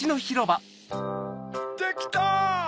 できた！